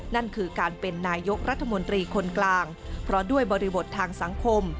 นั่นคือการเป็นนายกรัฐมนตรีคนกลางเพราะด้วยบริบททางสังคม